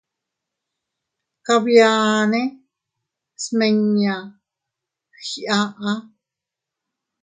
Kabiane smiña giaʼa.